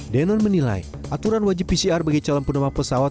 denon menilai aturan wajib pcr bagi calon penumpang pesawat